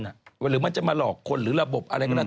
หรือมันจะมาหลอกคนหรือระบบอะไรก็แล้ว